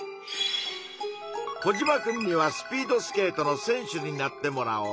コジマくんには「スピードスケートの選手」になってもらおう。